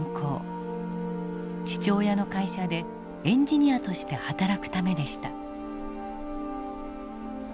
父親の会社でエンジニアとして働くためでした。